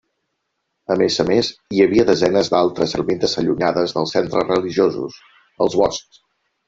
A més a més, hi havia desenes d'altres ermites allunyades dels centres religiosos, als boscs.